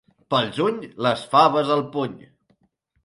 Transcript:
Pel juny, les faves al puny.